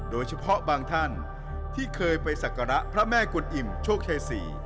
โดยเฉพาะบางท่านที่เคยไปศักระพระแม่กุลอิ่มโชคชัยศรี